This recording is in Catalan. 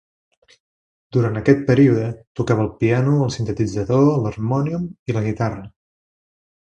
Durant aquest període tocava el piano, el sintetitzador, l'harmònium i la guitarra.